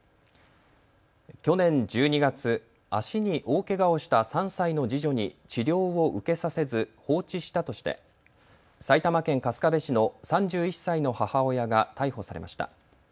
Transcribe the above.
去年１２月、足に大けがをした３歳の次女に治療を受けさせず放置したとして埼玉県春日部市の３１歳の母親が逮捕されました。